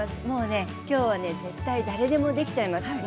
もうねきょうはね絶対誰でもできちゃいます。